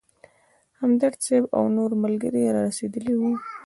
همدرد صیب او نور ملګري رارسېدلي وو.